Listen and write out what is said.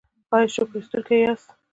ایا شکر ایستونکي یاست؟